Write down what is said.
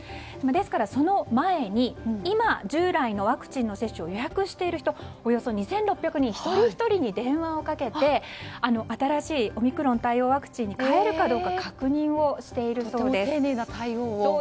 ですから、その前に今、従来のワクチンの接種を予約している人およそ２６００に人一人ひとりに電話をかけて新しいオミクロン対応ワクチンに変えるかどうか確認をしているそうです。